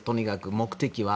目的は。